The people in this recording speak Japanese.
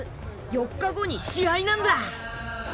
４日後に試合なんだ。